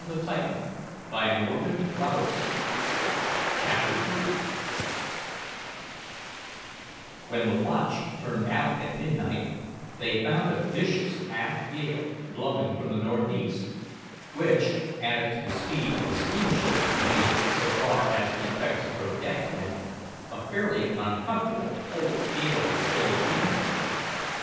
Better stay in now it's getting foggy." CHAPTER III When the watch turned out at midnight, they found a vicious half gale blowing from the northeast, which, added to the speed of the steamship, made, so far as effects on her deck went, a fairly uncomfortable whole gale of chilly wind.